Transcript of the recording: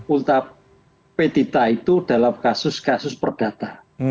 ulta petita itu dalam kasus kasus perdata